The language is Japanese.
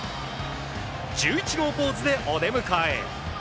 １１号ポーズでお出迎え。